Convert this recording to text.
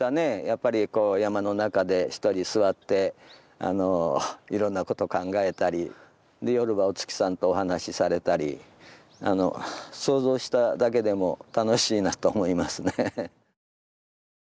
やっぱりこう山の中で一人坐っていろんなこと考えたり夜はお月さんとお話しされたり想像しただけでも楽しいなと思いますね。